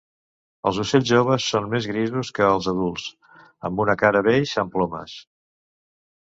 Els ocells joves són més grisos que els adults, amb una cara beix amb plomes.